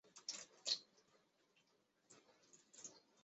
新竹铁角蕨为铁角蕨科铁角蕨属下的一个种。